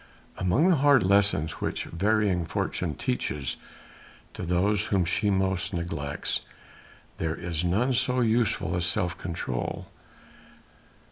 Among the hard lessons which varying Fortune teaches to those whom she most neglects, there is none so useful as self control.